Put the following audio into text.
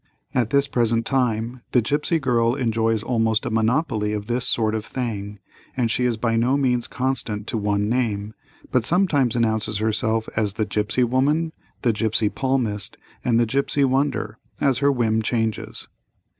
At this present time "The Gipsy Girl" enjoys almost a monopoly of this sort of thing, and she is by no means constant to one name, but sometimes announces herself as "The Gipsy Woman," "The Gipsy Palmist," and "The Gipsy Wonder," as her whim changes.